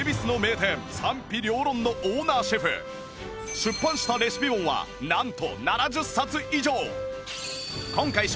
出版したレシピ本はなんと７０冊以上！